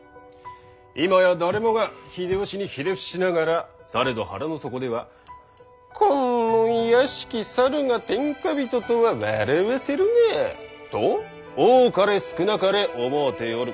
今や誰もが秀吉にひれ伏しながらされど腹の底では「この卑しき猿が天下人とは笑わせるな」と多かれ少なかれ思うておる。